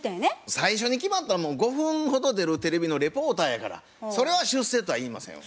最初に決まったもん５分ほど出るテレビのリポーターやからそれは出世とは言いませんわ。